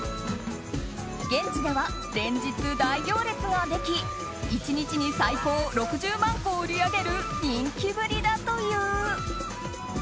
現地では連日、大行列ができ１日に最高６０万個を売り上げる人気ぶりだという。